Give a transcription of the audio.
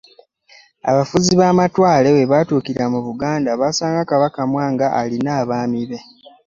Abafuzi b'amatwale we baatuukira mu Buganda baasanga Kabaka Mwanga alina abaami be.